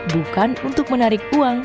bukan untuk menarik uang